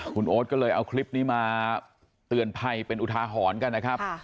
คุณโอ๊ตก็เลยเอาคลิปนี้มาเตือนภัยเป็นอุทาหรณ์กันนะครับ